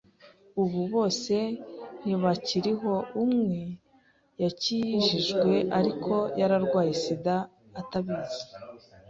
ubu bose ntibakiriho, umwe yakijijwe ariko yararwaye SIDA atabizi.